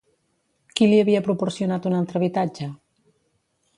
Qui li havia proporcionat un altre habitatge?